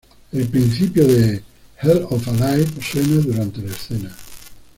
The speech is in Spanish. El principio de ""Hell of a Life" suena durante la escena.